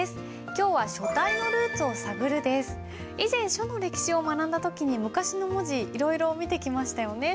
今日は以前書の歴史を学んだ時に昔の文字いろいろ見てきましたよね？